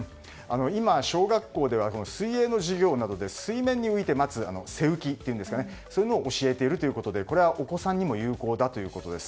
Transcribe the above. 今、小学校では水泳の授業などで水面に浮いて待つ背浮きというのを教えているということでこれはお子さんにも有効だということです。